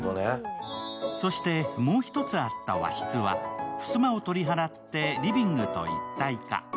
そしてもう一つあった和室は、ふすまを取り払ってリビングと一体化。